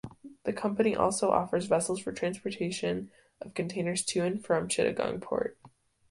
The company also offers vessels for transportation of containers to and from Chittagong Port.